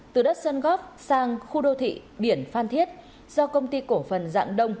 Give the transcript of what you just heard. từ đất sơn góp sang khu đô thị biển phan thiết do công ty cổ phần dạng đông